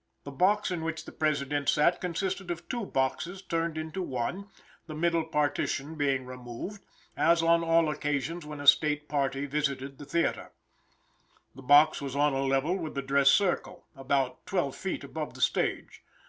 ] The box in which the President sat consisted of two boxes turned into one, the middle partition being removed, as on all occasions when a state party visited the theater. The box was on a level with the dress circle; about twelve feet above the stage.